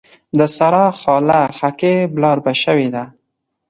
د سارا خاله خاکي بلاربه شوې ده.